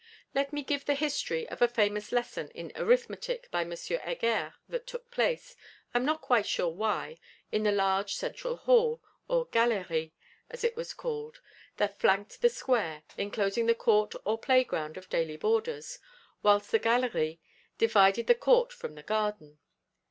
Let me give the history of a famous Lesson in Arithmetic by M. Heger that took place, I am not quite sure why, in the large central hall, or Galerie as it was called, that flanked the square, enclosing the court or playground of daily boarders, whilst the Galerie divided the court from the garden.